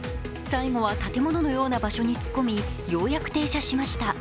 最後は建物のような場所に突っ込み、ようやく停車しました。